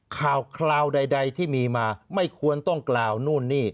ข่าวคราวใดที่มีมาไม่ควรต้องกล่าวนู่นนี่